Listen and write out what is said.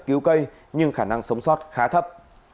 cứu cây nhưng khả năng sống sót khá thấp